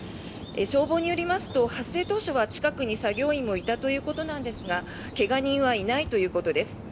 消防によりますと発生当初は近くに作業員もいたということですが怪我人はいないということです。